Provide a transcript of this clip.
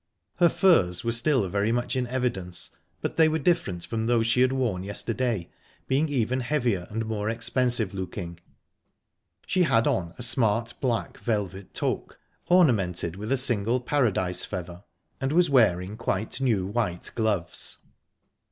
Her furs were still very much in evidence, but they were different from those she had worn yesterday, being even heavier and more expensive looking; she had on a smart black velvet toque, ornamented with a single paradise feather, and was wearing quite new white gloves.